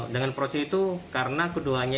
dengan projec itu karena keduanya